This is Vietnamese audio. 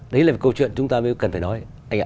đấy là câu chuyện chúng ta mới cần phải nói